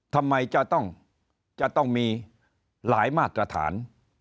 ทำไมจะต้องมีหลายมาตรฐาน